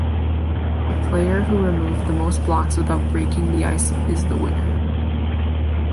The player who removed the most blocks without "breaking the ice" is the winner.